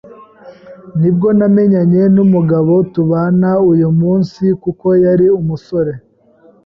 nibwo namenyanye n’umugabo tubana uyu munsi kuko yari umusore